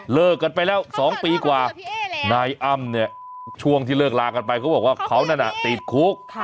เลิกกันไปแล้ว๒ปีกว่านายอ้ำเนี่ยช่วงที่เลิกลากันไปเขาบอกว่าเขานั่นน่ะติดคุก